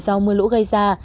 do mưa lũ gây ra